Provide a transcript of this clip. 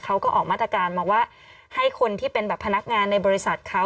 เขาก็ออกมาตรการมาว่าให้คนที่เป็นแบบพนักงานในบริษัทเขา